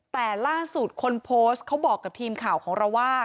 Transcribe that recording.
แต่ล่าสุดคนโพสต์เขาบอกกับทีมข่าวของเราว่า